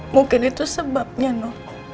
mungkin itu sebabnya no